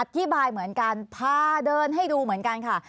อธิบายเหมือนกันพาเดินให้ดูเหมือนกันค่ะ